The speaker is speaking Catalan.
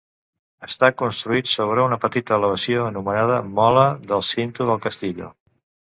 Està construït sobre una petita elevació anomenada mola del Cinto del Castillo.